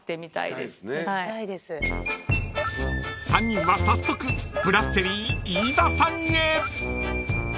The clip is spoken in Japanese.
［３人は早速ブラッセリー・イイダさんへ］